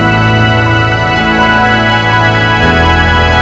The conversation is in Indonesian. keluaran nge gentara